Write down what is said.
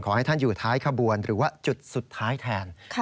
ให้ท่านอยู่ท้ายขบวนหรือว่าจุดสุดท้ายแทน